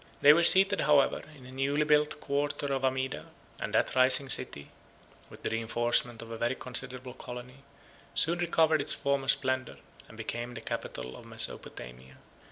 They were seated, however, in a new built quarter of Amida; and that rising city, with the reenforcement of a very considerable colony, soon recovered its former splendor, and became the capital of Mesopotamia.